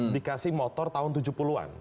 dikasih motor tahun tujuh puluh an